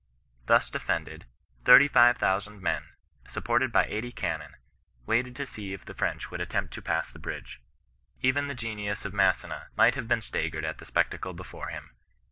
Thus defended, thirty five thou sand men, supported by eighty cannon, waited to see if the French would attempt to pass the bridge. Even the genius of Massena might have been staggered at the spectacle before him.